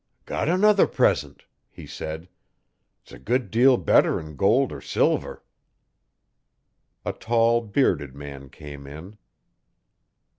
'Got another present,' he said. 'S a good deal better 'n gold er silver.' A tall, bearded man came in.